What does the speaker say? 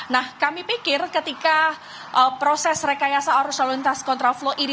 nah kami pikir ketika proses rekayasa arus lalu lintas kontraflow ini